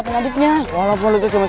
itu larinya kesana